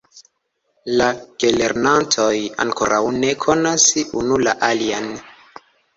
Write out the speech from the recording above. La gelernantoj ankoraŭ ne konas unu la alian.